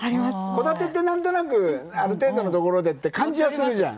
戸建てって何となくある程度のところでって感じがするじゃん。